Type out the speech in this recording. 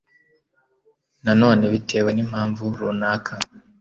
na none bitewe n’impamvu runaka,